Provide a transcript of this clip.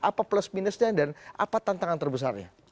apa plus minusnya dan apa tantangan terbesarnya